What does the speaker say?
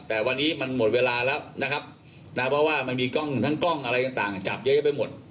แต่วันนี้มันหมดเวลาแล้วนะครับนะเพราะว่ามันมีกล้องทั้งกล้องอะไรต่างจับเยอะไปหมด